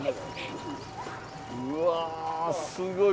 うわー、すごい。